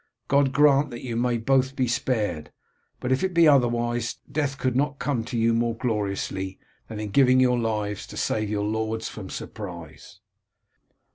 God grant that you may both be spared, but if it be otherwise, death could not come to you more gloriously than in giving your lives to save your lords from surprise."